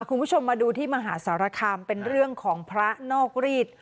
คุณผู้ชมมาดูที่มหาสารคามเป็นเรื่องของพระนอกรีด